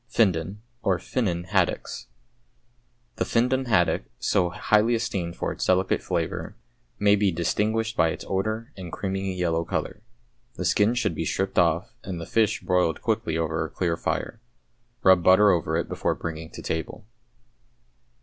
=Findon, or "Finnan," Haddocks.= The Findon haddock, so highly esteemed for its delicate flavour, may be distinguished by its odour and creamy yellow colour. The skin should be stripped off, and the fish broiled quickly over a clear fire. Rub butter over it before bringing to table.